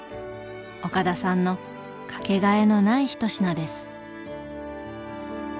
岡田さんの掛けがえのない一品です。